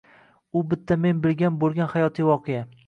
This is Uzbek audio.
Bu bitta men bilgan bo‘lgan hayotiy voqea.